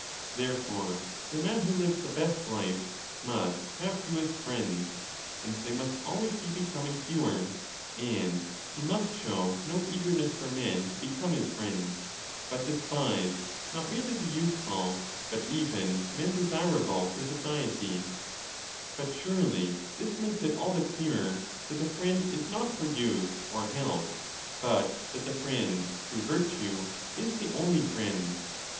Therefore the man who lives the best life must have fewest friends, and they must always be becoming fewer, and he must show no eagerness for men to become his friends, but despise not merely the useful but even men desirable for society, ^ut 15 surely this makes it all the clearer that the friend is not for use or help, but that the friend through virtue* is The only friend.